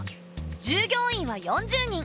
従業員は４０人。